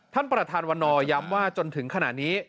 ท่านประธานวันนอย้ำว่าจนถึงขณะนี้